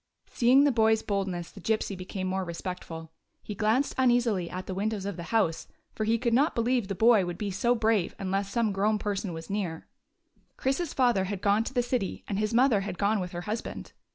Seeing the boy's boldness, the Gypsy became more respectful. He glanced uneasily at the windows of the house, for he could not believe the boy would be so brave unless some grown person was near. 49 GYPSY, THE TALKING DOG Chris's father had gone to the city, and his mother had gone with her husband.